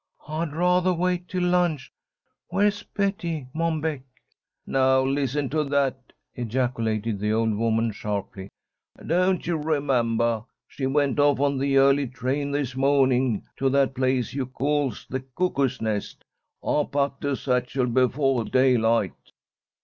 I'd rathah wait till lunch. Where's Betty, Mom Beck?" "Now listen to that!" ejaculated the old woman, sharply. "Don't you remembah? She went off on the early train this mawning to that place you all calls the Cuckoo's Nest. I packed her satchel befoah daylight."